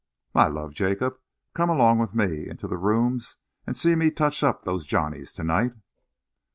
My love, Jacob. Come along with me into the Rooms and see me touch up those Johnnies to night."